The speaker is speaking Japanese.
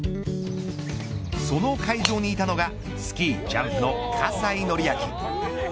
その会場にいたのがスキージャンプの葛西紀明。